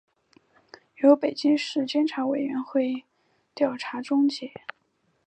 由北京市监察委员会调查终结